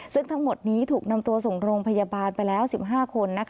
ซึ่งทั้งหมดนี้ถูกนำตัวส่งโรงพยาบาลไปแล้ว๑๕คน